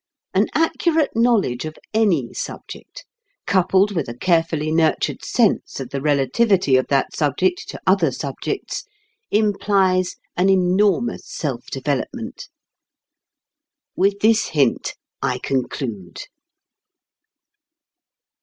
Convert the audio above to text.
An accurate knowledge of any subject, coupled with a carefully nurtured sense of the relativity of that subject to other subjects, implies an enormous self development. With this hint I conclude.